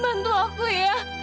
bantu aku ya